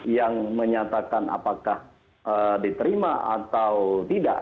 yang menyatakan apakah diterima atau tidak